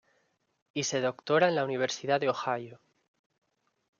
Y se doctora en la Universidad de Ohio.